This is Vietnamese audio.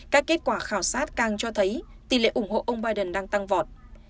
các kết quả khảo sát càng cho thấy tỷ lệ ủng hộ ông biden đang tăng vọt